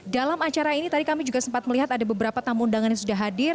dalam acara ini tadi kami juga sempat melihat ada beberapa tamu undangan yang sudah hadir